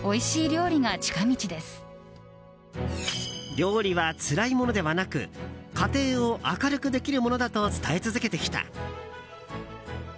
料理はつらいものではなく家庭を明るくできるものだと伝え続けてきた。